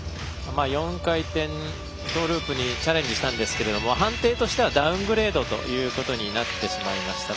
４回転トーループにチャレンジしたんですが判定としてはダウングレードということになってしまいました。